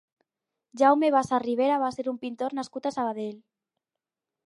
Jaume Bassa Ribera va ser un pintor nascut a Sabadell.